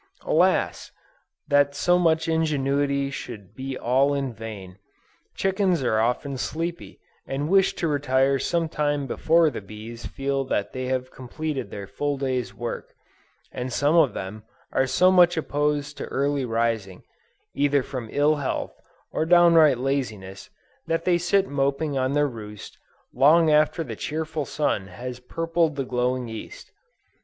Alas! that so much ingenuity should be all in vain! Chickens are often sleepy, and wish to retire sometime before the bees feel that they have completed their full day's work, and some of them are so much opposed to early rising, either from ill health, or downright laziness, that they sit moping on their roost, long after the cheerful sun has purpled the glowing East.